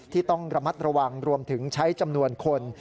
ต้องระมัดระวังรวมถึงใช้จำนวนคน